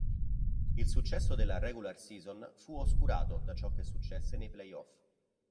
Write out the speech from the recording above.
Il successo della "Regular Season" fu oscurato da ciò che successe nei playoff.